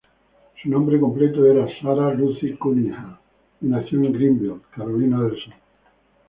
Su nombre completo era Sarah Lucie Cunningham, y nació en Greenville, Carolina del Sur.